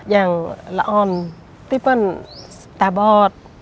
อย่างละออนที่เป็นสใต่บอด